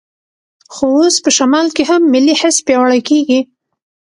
خو اوس په شمال کې هم ملي حس پیاوړی کېږي.